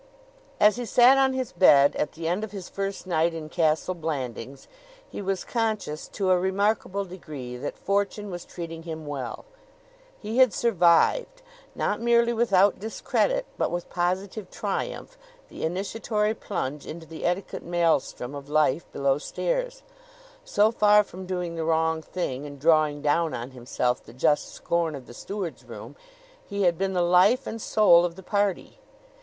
As he sat on his bed at the end of his first night in Castle Blandings, he was conscious to a remarkable degree that Fortune was treating him well. He had survived not merely without discredit, but with positive triumph the initiatory plunge into the etiquette maelstrom of life below stairs. So far from doing the wrong thing and drawing down on himself the just scorn of the steward's room, he had been the life and soul of the party.